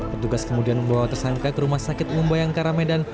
petugas kemudian membawa tersangka ke rumah sakit umbayang karamedan